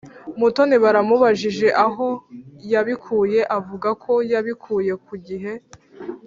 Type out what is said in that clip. Mutoni bamubajije aho yabikuye avugako yabikuye ku gihe